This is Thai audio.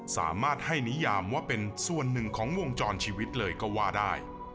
สามารถให้นิยามว่าเป็นส่วนหนึ่งของวงจรชีวิตเลยก็ว่าได้